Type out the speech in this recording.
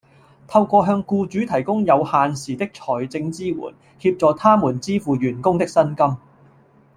透過向僱主提供有時限的財政支援，協助他們支付員工的薪金